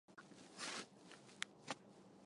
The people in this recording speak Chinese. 另一个是加沙地带足球联赛。